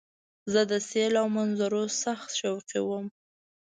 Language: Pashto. زه د سیل او منظرو سخت شوقی وم.